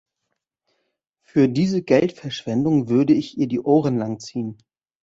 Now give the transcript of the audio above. Für diese Geldverschwendung würde ich ihr die Ohren lang ziehen!